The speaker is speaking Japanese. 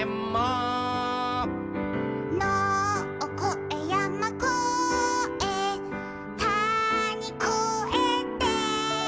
「のをこえやまこえたにこえて」